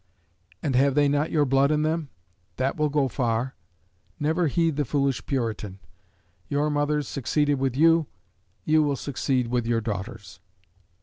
And have they not your blood in them? That will go far. Never heed the foolish puritan. Your mothers succeeded with you: you will succeed with your daughters.